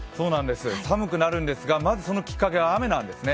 寒くなるんですが、まずそのきっかけが雨なんですね。